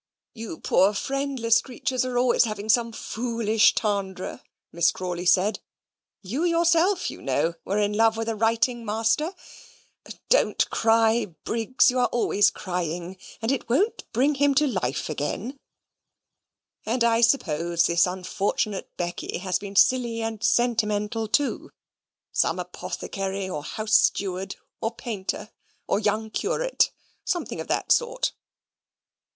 "You poor friendless creatures are always having some foolish tendre," Miss Crawley said. "You yourself, you know, were in love with a writing master (don't cry, Briggs you're always crying, and it won't bring him to life again), and I suppose this unfortunate Becky has been silly and sentimental too some apothecary, or house steward, or painter, or young curate, or something of that sort."